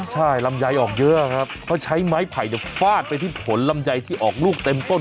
ใช่ลำไยออกเยอะครับเขาใช้ไม้ไผ่ฟาดไปที่ผลลำไยที่ออกลูกเต็มต้น